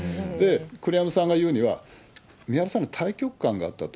栗山さんが言うには、みはらさんには大局観があったと。